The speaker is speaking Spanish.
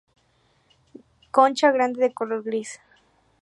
Concha grande de color gris.